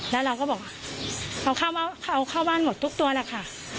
แล้วเราก็บอกเอาเข้าบ้านหมดทุกตัวแหละค่ะ